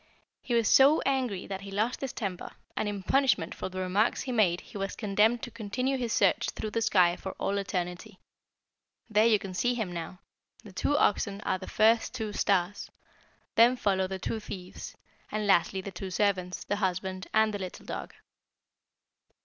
He was so angry that he lost his temper, and in punishment for the remarks he made he was condemned to continue his search through the sky for all eternity. There you can see him now. The two oxen are the first two stars, then follow the two thieves, and lastly the two servants, the husbandman, and the little dog."